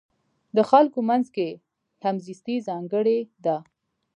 د خلکو منځ کې همزیستي ځانګړې ده.